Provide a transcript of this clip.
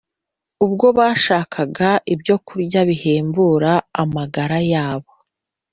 Ubwo bashakaga ibyokurya bihembura amagara yabo.